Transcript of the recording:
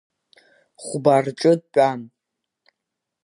Хәба рҿы дтәан.